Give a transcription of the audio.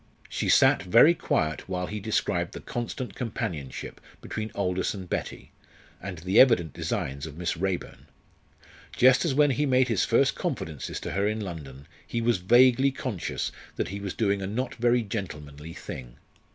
She sat very quiet while he described the constant companionship between Aldous and Betty, and the evident designs of Miss Raeburn. Just as when he made his first confidences to her in London, he was vaguely conscious that he was doing a not very gentlemanly thing.